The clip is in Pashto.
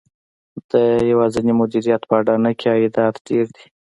د یوازېني مدیریت په اډانه کې عایدات ډېر دي